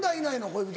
恋人。